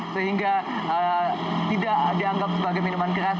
sehingga tidak dianggap sebagai minuman keras